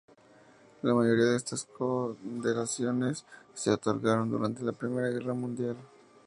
La mayoría de estas condecoraciones se otorgaron durante la Primera Guerra Mundial.